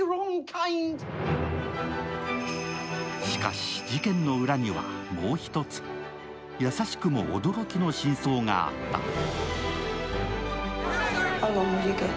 しかし、事件の裏には、もう一つ優しくも驚きの真相があった。